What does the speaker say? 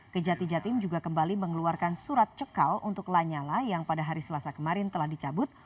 kejati jatim juga kembali mengeluarkan surat cekal untuk lanyala yang pada hari selasa kemarin telah dicabut